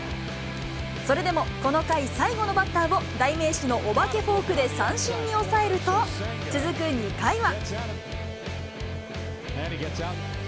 それでも、この回、最後のバッターを代名詞のお化けフォークで三振に抑えると、続く２回は。